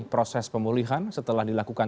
proses pemulihan setelah dilakukan